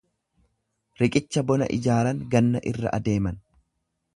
Riqicha bona ijaaran ganna irra adeeman.